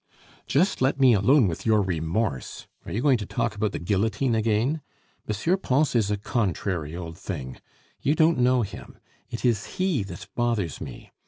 "Just let me alone with your remorse! Are you going to talk about the guillotine again? M. Pons is a contrairy old thing. You don't know him. It is he that bothers me.